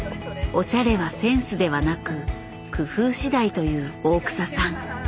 おしゃれはセンスではなく工夫次第という大草さん。